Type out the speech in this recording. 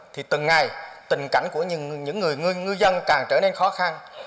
thì từng ngày tình cảnh của những người ngư dân càng trở nên khó khăn